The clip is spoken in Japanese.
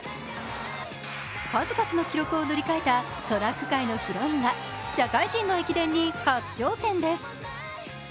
数々の記録を塗り替えたトラック界のヒロインが社会人の駅伝に初挑戦です。